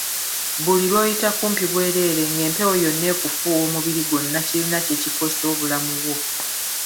Buli lw'oyita kumpi obwereere ng'empewo yonna ekufuuwa omubiri gwonna kirina kye kikosa obulamu bwo.